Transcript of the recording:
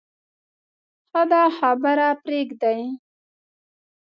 ښه ده خبره پرېږدې.